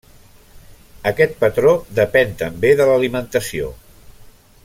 Aquest patró depèn també de l'alimentació.